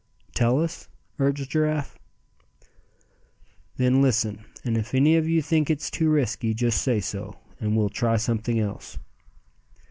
"Tell us?" urged Giraffe. "Then listen, and if any of you think it's too risky, just say so, and we'll try something else."